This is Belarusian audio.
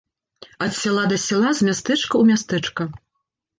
Ад сяла да сяла, з мястэчка ў мястэчка.